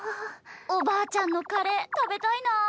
おばあちゃんのカレー食べたいなぁ。